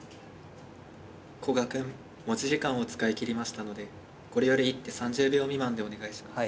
古賀くん持ち時間を使い切りましたのでこれより一手３０秒未満でお願いします。